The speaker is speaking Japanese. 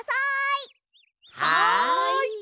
はい！